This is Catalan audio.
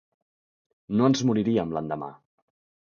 No ens moriríem l’endemà.